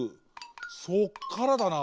そっからだな。